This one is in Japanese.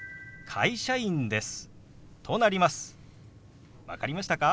会社員です。